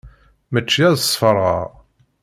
Mačči ad sferɣeɣ.